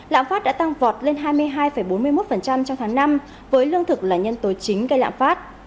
lạm phát đã tăng vọt lên hai mươi hai bốn mươi một trong tháng năm với lương thực là nhân tố chính gây lãng phát